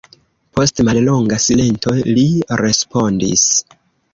Post mallonga silento, li respondis: